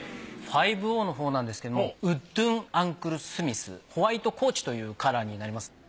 ファイブオーのほうなんですけどもウッドゥン・アンクルスミスホワイトコーチというカラーになります。